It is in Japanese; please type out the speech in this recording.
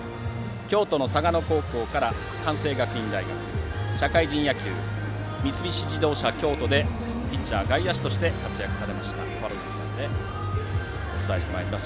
京都の嵯峨野高校から関西学院大学社会人野球、三菱自動車京都でピッチャー、外野手として活躍されました川原崎さんとお伝えしてまいります。